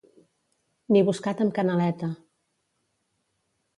Ni buscat amb canaleta.